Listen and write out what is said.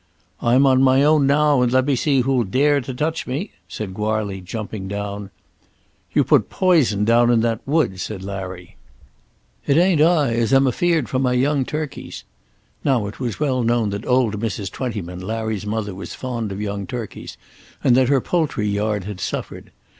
"I'm on my own now, and let me see who'll dare to touch me," said Goarly jumping down. "You've put poison down in that wood," said Larry. "No I didn't; but I knows who did. It ain't I as am afeard for my young turkeys." Now it was well known that old Mrs. Twentyman, Larry's mother, was fond of young turkeys, and that her poultry yard had suffered.